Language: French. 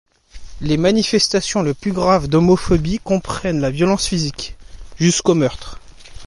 Les manifestations les plus graves d'homophobie comprennent la violence physique, jusqu'au meurtre.